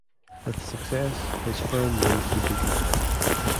With success, his firm moved to Beacon Hill.